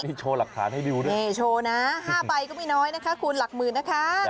นี่โชว์หลักฐานให้ดูด้วยนี่โชว์นะ๕ใบก็ไม่น้อยนะคะคูณหลักหมื่นนะคะ